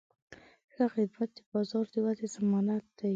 ښه خدمت د بازار د ودې ضمانت دی.